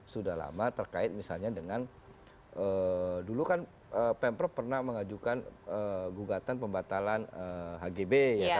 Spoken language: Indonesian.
sudah lama terkait misalnya dengan dulu kan pemprov pernah mengajukan gugatan pembatalan hgb